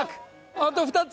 あと２つ！